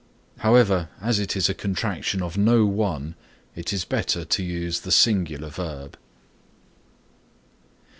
However, as it is a contraction of no one it is better to use the singular verb.